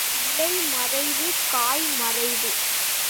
இலை மறைவு, காய் மறைவு.